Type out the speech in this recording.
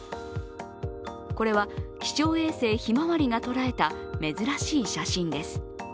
これは気象衛星ひまわりが捉えた珍しい写真です。